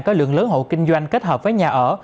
có lượng lớn hộ kinh doanh kết hợp với nhà ở